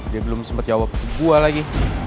dia belum sempet jawab ke gue lagi